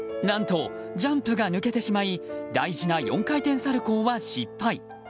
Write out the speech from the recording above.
何とジャンプが抜けてしまい大事な４回転サルコウは失敗。